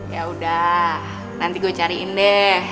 yaudah nanti gue cariin deh